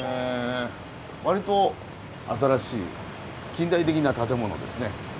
わりと新しい近代的な建物ですね。